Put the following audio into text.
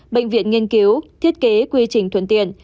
bệnh viện nghiên cứu thiết kế quy trình thuận tiện